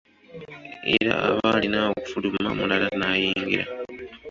Era aba alina okufuluma omulala n’ayingira.